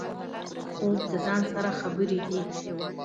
خوب د ځان سره خبرې دي